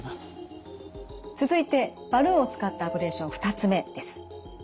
続いてバルーンを使ったアブレーション２つ目です。